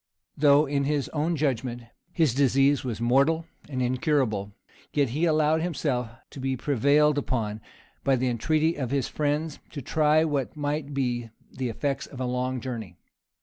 Though, in his own judgment, his disease was mortal and incurable, yet he allowed himself to be prevailed upon, by the entreaty of his friends, to try what might be the effects of a long journey.